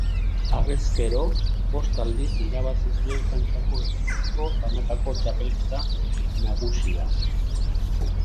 Harrezkero bost aldiz irabazi zuen Frantziako eskuzko Banakako Txapelketa Nagusia.